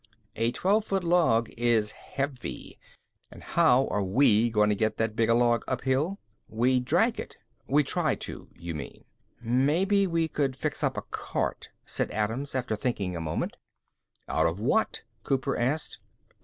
"A twelve foot log is heavy. And how are we going to get that big a log uphill?" "We drag it." "We try to, you mean." "Maybe we could fix up a cart," said Adams, after thinking a moment. "Out of what?" Cooper asked.